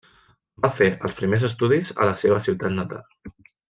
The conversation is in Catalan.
Va fer els primers estudis a la seva ciutat natal.